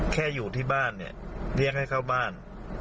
แค่อยู่ที่บ้านเนี่ยเรียกให้เข้าบ้าน